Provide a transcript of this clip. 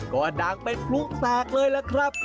ก็ดังเป็นพลุแตกเลยล่ะครับ